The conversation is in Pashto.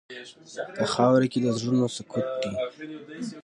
په خاوره کې د زړونو سکوت دی.